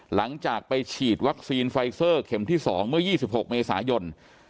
หลังจากไปฉีดวัคซีนไฟเซอร์เข็มที่๒เมื่อ๒๖เมษายน